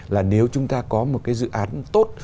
là nếu chúng ta có một cái dự án tốt